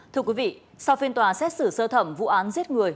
thưa quý vị sau phiên tòa xét xử sơ thẩm vụ án giết người